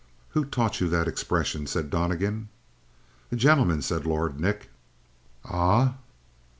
"Who taught you that expression?" said Donnegan. "A gentleman," said Lord Nick. "Ah?"